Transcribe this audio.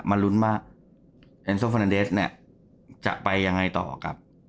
มันรุนมากแอนโซลเฟอร์แนนเดสเนี่ยจะไปยังไงต่อกับ